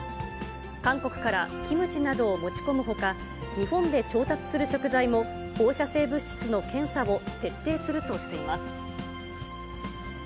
韓国からキムチなどを持ち込むほか、日本で調達する食材も、放射性物質の検査を徹底するとしています。